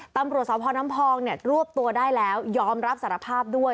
ตำรวจสพน้ำพองเนี่ยรวบตัวได้แล้วยอมรับสารภาพด้วย